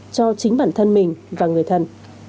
cho chính bản thân mình và người thân